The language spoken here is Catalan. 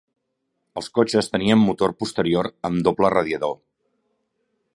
Els cotxes tenien motor posterior amb doble radiador.